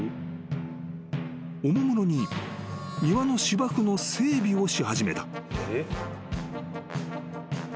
［おもむろに庭の芝生の整備をし始めた］